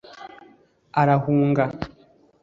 arahunga